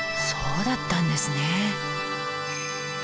そうだったんですね。